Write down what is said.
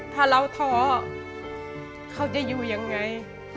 ถ้าเราท้อเขาจะอยู่ยังไง